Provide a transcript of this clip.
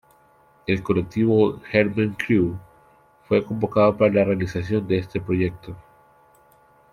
El colectivo Germen Crew, fue convocado para la realización de este proyecto.